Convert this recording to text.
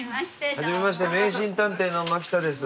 初めまして迷信探偵の槙田です。